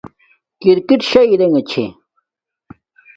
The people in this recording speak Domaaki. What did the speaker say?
کرکِٹ شݳ رݵگݳ چھݳ.